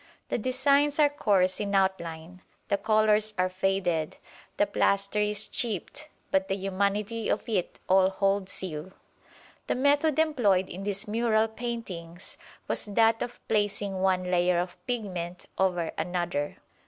The designs are coarse in outline, the colours are faded, the plaster is chipped; but the humanity of it all holds you. The method employed in these mural paintings was that of placing one layer of pigment over another.